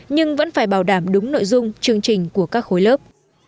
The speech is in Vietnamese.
nhưng vẫn phải bảo đảm đúng nội dung chương trình của các khối lớp